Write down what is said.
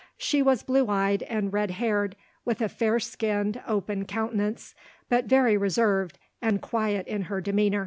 She was blue eyed and red haired, with a fair skinned, open countenance, but very reserved and quiet in her demeanour.